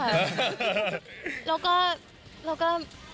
เราก็เราก็